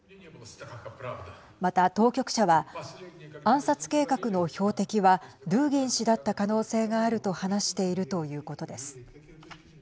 また、当局者は暗殺計画の標的はドゥーギン氏だった可能性があると話しているということです。